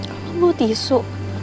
kamu mau tisu